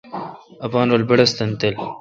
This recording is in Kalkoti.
اپان رل بّڑّستن تھل۔